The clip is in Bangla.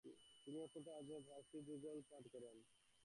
তিনি অত্যন্ত আনন্দিত হন এবং ফার্সি যুগলপাঠ করেন: